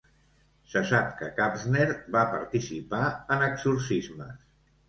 Se sap que Kapsner va participar en exorcismes.